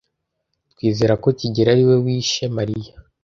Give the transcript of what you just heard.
Twizera ko kigeli ari we wishe Mariya.